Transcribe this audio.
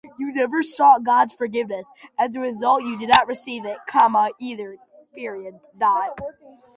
You never sought God's forgiveness; as a result, you did not receive it, either.